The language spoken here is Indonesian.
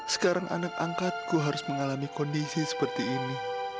sekarang anak angkatku harus mengalami kondisi seperti ini